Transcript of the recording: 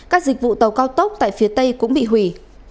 các dịch vụ tàu cao tốc tại phía tây cũng bị hủy